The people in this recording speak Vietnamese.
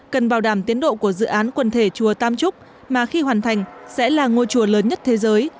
cần bảo đảm tiến độ của dự án quần thể chùa tam trúc mà khi hoàn thành sẽ là ngôi chùa lớn nhất thế giới